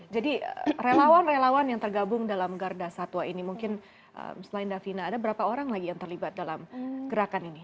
jadi relawan relawan yang tergabung dalam garda satwa ini mungkin selain davina ada berapa orang lagi yang terlibat dalam gerakan ini